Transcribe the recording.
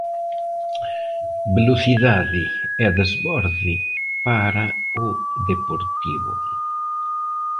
Velocidade e desborde para o Deportivo.